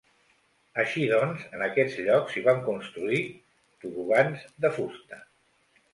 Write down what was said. Així doncs, en aquests llocs s'hi van construir tobogans de fusta.